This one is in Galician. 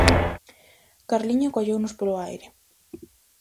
Carlino colleunos polo aire.